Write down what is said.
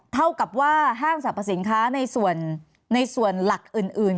เท่ากับว่าห้างสรรพสินค้าในส่วนหลักอื่น